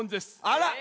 あら。